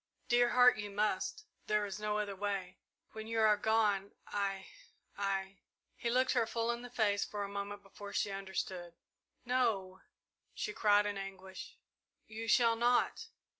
"Dear Heart, you must there is no other way. When you are gone I I " He looked her full in the face for a moment before she understood. "No!" she cried in anguish; "you shall not!"